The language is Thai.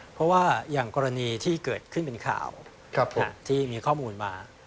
เพราะว่าอย่างกรณีที่เกิดขึ้นเป็นข่าวที่มีข้อมูลมา